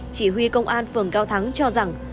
chỉ huy công an phường cao thắng cho rằng